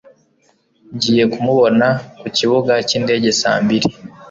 Ngiye kumubona ku kibuga cyindege saa mbiri.